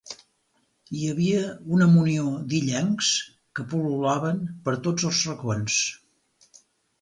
Hi havia una munió d'illencs que pul·lulaven per tots els racons.